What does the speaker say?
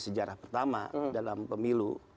sejarah pertama dalam pemilu